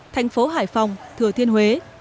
thành phố hải phòng thừa thiên huế